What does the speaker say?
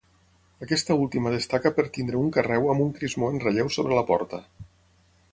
Aquesta última destaca per tenir un carreu amb un crismó en relleu sobre la porta.